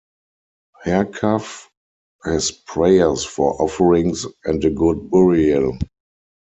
Harkuf has prayers for offerings and a good burial.